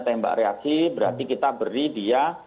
tembak reaksi berarti kita beri dia